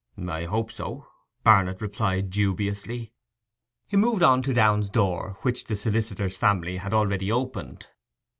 'I hope so,' Barnet replied dubiously. He moved on to Downe's door, which the solicitor's family had already opened.